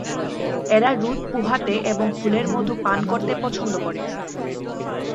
এরা রোদ পোহাতে এবং ফুলের মধু পান করতে পছন্দ করে।